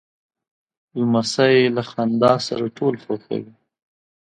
لمسی له خندا سره ټول خوښوي.